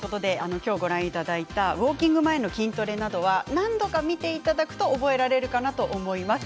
今日ご覧いただいたウォーキング前の筋トレなどは何度か見ていただくと覚えられるかなと思います。